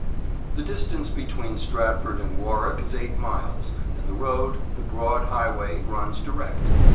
THE distance between Stratford and Warwick is eight miles, and the road, the broad highway, runs direct.